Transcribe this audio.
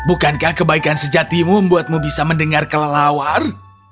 apakah kebaikan sejatimu membuatmu mendengar kelalauan